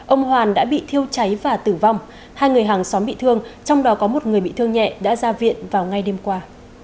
ông hoàn đã bị thiêu cháy và tử vong hai người hàng xóm bị thương trong đó có một người bị thương nhẹ đã ra viện vào ngày đêm qua